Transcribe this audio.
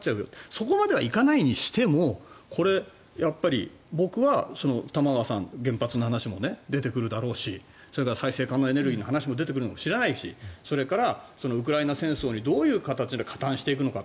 そこまでは行かないにしてもこれ、僕は玉川さん原発の話も出てくるだろうしそれから再生可能エネルギーの話も出てくるかもしれないしそれからウクライナ戦争にどういう形で加担していくのか。